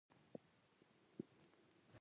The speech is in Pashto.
هغه طبیعي سلسله مراتب له منځه یووړه.